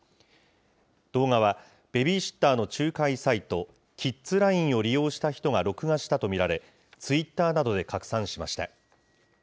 動画はベビーシッターの仲介サイト、キッズラインを利用した人が録画したと見られ、ツイッターなどで拡散しました。